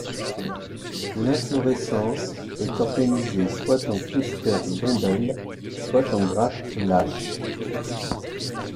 L'inflorescence est organisée soit en cluster d'ombelles, soit en grappes lâches.